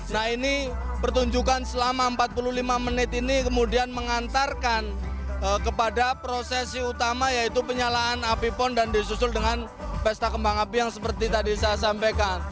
nah ini pertunjukan selama empat puluh lima menit ini kemudian mengantarkan kepada prosesi utama yaitu penyalaan api pon dan disusul dengan pesta kembang api yang seperti tadi saya sampaikan